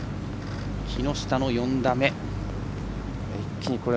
木下の４打目。